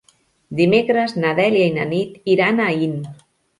Dimecres na Dèlia i na Nit iran a Aín.